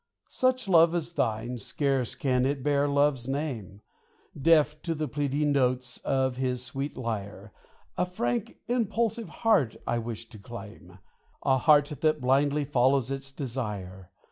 Such love as thine, scarce can it bear love's name, Deaf to the pleading notes of his sweet lyre, A frank, impulsive heart I wish to claim, A heart that blindly follows its desire.